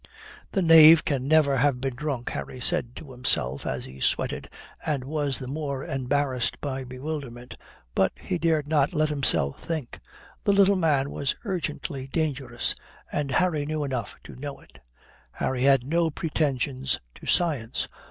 The knave can never have been drunk, Harry said to himself as he sweated and was the more embarrassed by bewilderment. But he dared not let himself think. The little man was urgently dangerous, and Harry knew enough to know it. Harry had no pretensions to science.